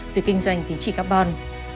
từ kinh doanh tính trị carbon